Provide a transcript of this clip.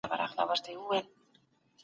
حکومتونه کله د بشري حقونو تړونونه مني؟